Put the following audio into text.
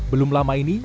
belum lama ini